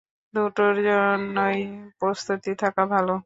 দুটোর জন্যই প্রস্তুতি থাকা ভালো।